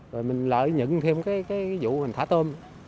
rồi mình lợi nhận thêm vụ thả tôm